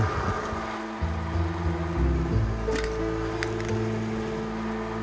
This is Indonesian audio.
nggak terus kemuslihan